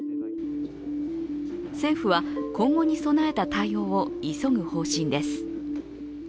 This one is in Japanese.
政府は今後に備えた対応を急ぐ方針です。